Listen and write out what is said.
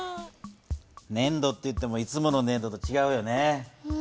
ねん土っていってもいつものねん土とちがうよね。